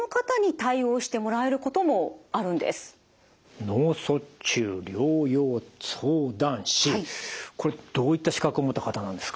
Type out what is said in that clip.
これどういった資格を持った方なんですか？